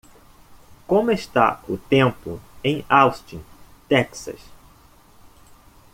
Como está o tempo em Austin, Texas?